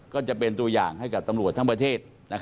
ก็จะเป็นตัวอย่างให้กับตำรวจทั้งประเทศ